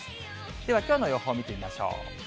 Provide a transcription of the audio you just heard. では、きょうの予報見てみましょう。